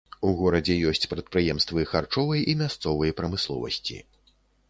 У горадзе ёсць прадпрыемствы харчовай і мясцовай прамысловасці.